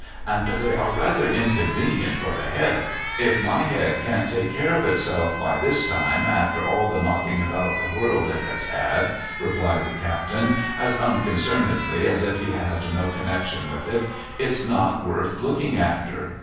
' And they are rather inconvenient for the head.' ' If my head can't take care of itself hy this time, after all the knocking about the world it has had,' replied the captain, as unconcernedly as if he had no connection with it, ' it's not worth lf)okin2; after.'